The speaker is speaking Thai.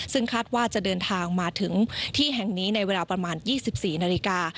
ซึ่งคาดว่าจะเดินทางมาถึงที่แห่งนี้ในเวลาประมาณ๒๔นาฬิกา